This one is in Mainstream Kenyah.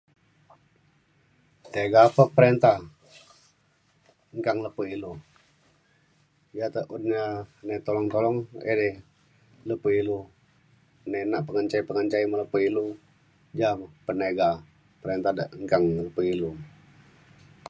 tega pa perinta ngkang lepo ilu. ia’ ata un ia’ ngetolong tolong iri lepo ilu nai nak pengenjai pengenjai me lepo ilu ia’ penega perinta de ngkang pe ilu